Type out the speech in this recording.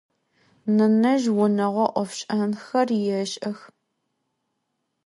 Nenezj vuneğo 'ofş'enxer yêş'ex.